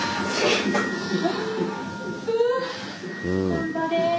頑張れ！